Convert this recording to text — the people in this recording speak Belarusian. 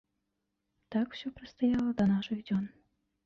Так усё прастаяла да нашых дзён.